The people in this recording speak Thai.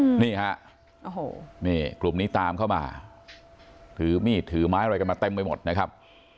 นี่ฮะโอ้โหนี่กลุ่มนี้ตามเข้ามาถือมีดถือไม้อะไรกันมาเต็มไปหมดนะครับ